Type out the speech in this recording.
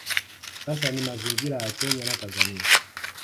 Sasa ni mazingira ya Kenya na Tanzania